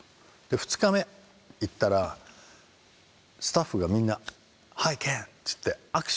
２日目行ったらスタッフがみんな「ハイケン」って言って握手をしてくれたわけ。